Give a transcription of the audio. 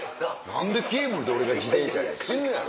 何でケーブルで俺が自転車やねん死ぬやろ。